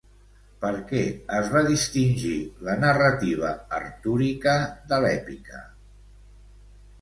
Per què es va distingir la narrativa artúrica de l'èpica?